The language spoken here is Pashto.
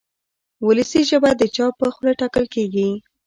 وولسي ژبه د چا په خوله ټاکل کېږي.